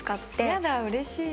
やだうれしい。